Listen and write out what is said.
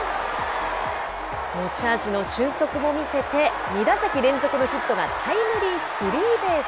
持ち味の俊足も見せて、２打席連続のヒットがタイムリースリーベース。